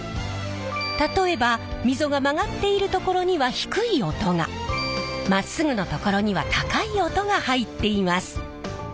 例えば溝が曲がっている所には低い音がまっすぐの所には高い音が入っています。